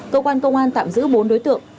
cơ quan công an tạm giữ bốn đối tượng